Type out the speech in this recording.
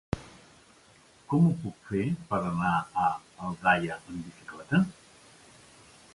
Com ho puc fer per anar a Aldaia amb bicicleta?